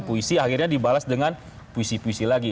puisi akhirnya dibalas dengan puisi puisi lagi